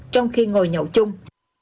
trong khi ngồi nhậu chung